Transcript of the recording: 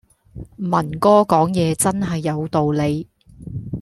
文哥講嘢真係有道理